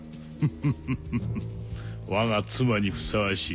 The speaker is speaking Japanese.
フフフわが妻にふさわしい。